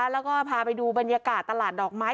แล้วก็พาไปดูบรรยากาศตลาดดอกไม้